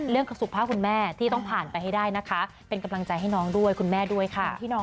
สุขภาพคุณแม่ที่ต้องผ่านไปให้ได้นะคะเป็นกำลังใจให้น้องด้วยคุณแม่ด้วยค่ะ